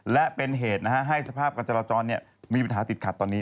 และเป็นเหตุให้สภาพการจราจรมีปัญหาติดขัดตอนนี้